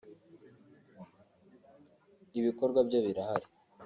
“Ibikorwa byo birahari